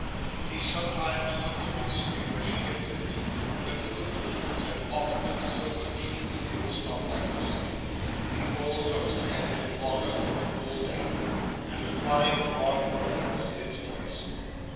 He sometimes took them to the street where she had lived; but new improvements had altered it so much, it was not like the same. The old house had been long ago pulled down, and a fine broad road was in its place.